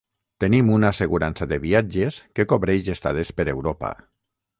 Tenim una assegurança de viatges que cobreix estades per Europa.